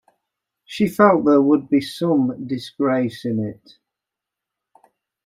She felt there would be some disgrace in it.